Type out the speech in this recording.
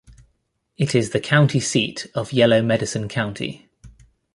It is the county seat of Yellow Medicine County.